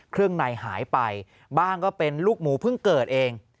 เครื่องในหายไปบ้างก็เป็นลูกหมูเพิ่งเกิดเอง